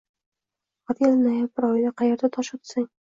Har yili noyabr oyida qayerga tosh otsang